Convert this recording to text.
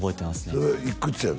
それはいくつやの？